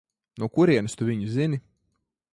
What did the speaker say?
No kurienes tu viņu zini?